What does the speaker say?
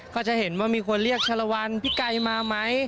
ก็จะเห็นว่ามีคนเรียกชะละวันพี่ไก่มาไหม